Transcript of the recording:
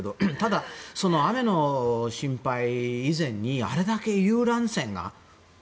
雨の心配以前にあれだけ遊覧船が。